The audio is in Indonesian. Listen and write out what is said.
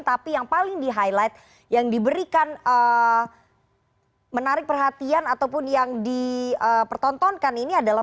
tapi yang paling di highlight yang diberikan menarik perhatian ataupun yang dipertontonkan ini adalah